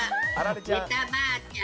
メタばあちゃん